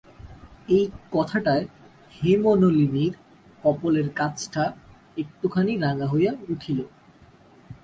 এই কথাটায় হেমনলিনীর কপোলের কাছটা একটুখানি রাঙা হইয়া উঠিল।